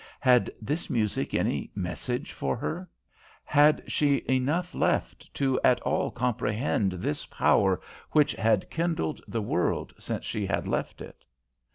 Had this music any message for her? Had she enough left to at all comprehend this power which had kindled the world since she had left it?